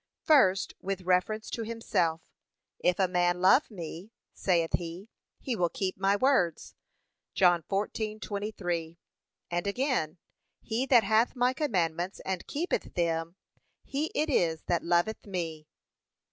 First, with reference to himself. 'If a man love me,' saith he, 'he will keep my words.' (John 14:23) And again, 'He that hath my commandments, and keepeth them, he it is that loveth me.'